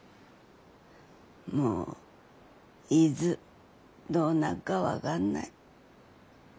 もういづどうなっか分がんない。